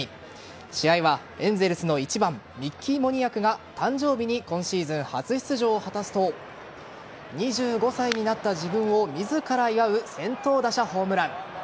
試合はエンゼルスの１番ミッキー・モニアクが誕生日に今シーズン初出場を果たすと２５歳になった自分を自ら祝う先頭打者ホームラン。